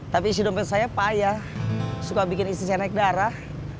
tapi istri dompet saya payah suka bikin istri saya naik darah